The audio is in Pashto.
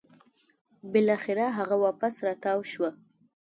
بلاخره هغه واپس راتاو شوه